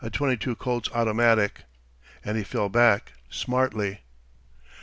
22 Colt's automatic. And he fell back smartly.